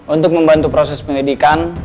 untuk membantu proses pengedikan